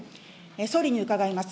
総理に伺います。